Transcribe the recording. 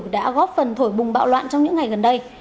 đã góp phần thổi bùng bạo loạn trong những ngày gần đây